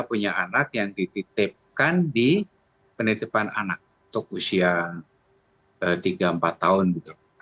punya anak yang dititipkan di penitipan anak untuk usia tiga empat tahun